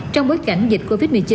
trong bối cảnh dịch covid một mươi chín